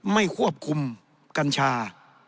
ไม่ควบคุมกัญชา